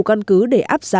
căn cứ để áp giá